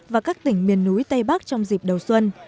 và các tỉnh miền núi tây bắc trong dịp đầu xuân